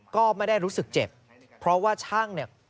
ก็ไม่ได้รู้สึกเจ็บเพราะว่าช่างเนี่ย